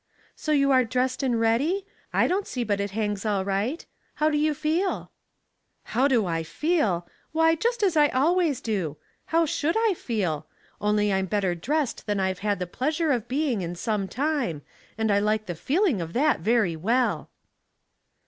" So you are dressed and ready ? I don't see but it liangs all right. How do you feel ?" "How do I feel! why, just as I always do. How should I feel ? Only I'm better dressed than I've had the pleasure of being in some time, and I like the feeling of that very well."